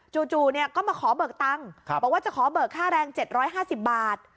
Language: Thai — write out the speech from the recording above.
จู่เนี่ยก็มาขอเบิกตังค์ครับบอกว่าจะขอเบิกค่าแรงเจ็ดร้อยห้าสิบบาท